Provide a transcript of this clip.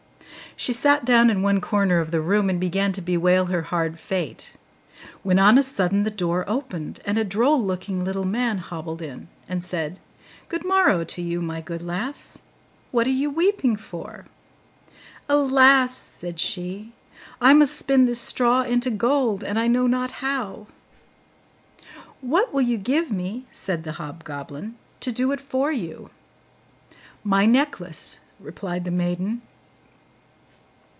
She sat down in one corner of the room, and began to bewail her hard fate; when on a sudden the door opened, and a droll looking little man hobbled in, and said, 'Good morrow to you, my good lass; what are you weeping for?' 'Alas!' said she, 'I must spin this straw into gold, and I know not how.' 'What will you give me,' said the hobgoblin, 'to do it for you?' 'My necklace,' replied the maiden.